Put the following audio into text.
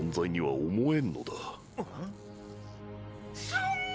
そんな！